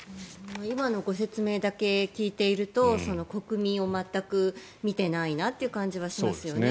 今のご説明だけ聞いていると国民を全く見ていないなっていう感じはしますよね。